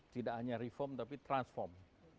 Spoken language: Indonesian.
tidak hanya reform tapi transform